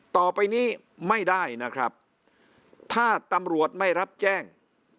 ต่อไปนี้ไม่ได้นะครับถ้าตำรวจไม่รับแจ้ง